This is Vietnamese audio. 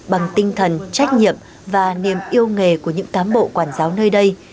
bằng tinh thần trách nhiệm và niềm yêu nghề của những cám bộ quản giáo nơi đây